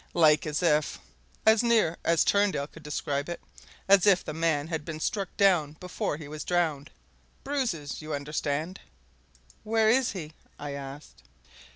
Like as if as near as Turndale could describe it as if the man had been struck down before he was drowned. Bruises, you understand." "Where is he?" I asked.